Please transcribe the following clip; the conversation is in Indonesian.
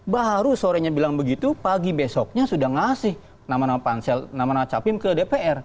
baru sorenya bilang begitu pagi besoknya sudah ngasih nama nama pansel nama nama capim ke dpr